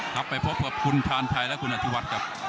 ครับไปพบกับคุณชาญชัยและคุณอธิวัฒน์ครับ